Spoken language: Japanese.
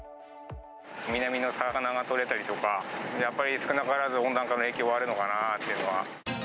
南の魚が取れたりとか、やっぱり少なからず温暖化の影響はあるのかなっていうのは。